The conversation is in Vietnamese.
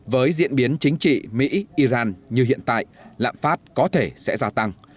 với diễn biến chính trị mỹ iran như hiện tại lạm phát có thể sẽ gia tăng